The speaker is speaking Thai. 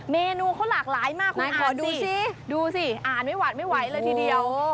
เมนูเขาหลากหลายมากคุณขอดูสิดูสิอ่านไม่หวาดไม่ไหวเลยทีเดียว